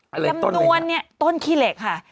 อะไรต้นเหล็กต้นขี้เหล็กค่ะ